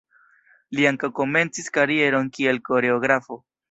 Li ankaŭ komencis karieron kiel koreografo.